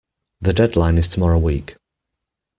The deadline is tomorrow week